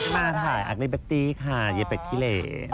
มาถ่ายอักลิเบตตี้ค่ะเย็บแบบขี้เหล่น